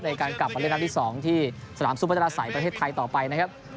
ในการกลับมาเล่นนัดที่๒ที่สนามซุปพัฒนาศัยประเทศไทยต่อไปนะครับ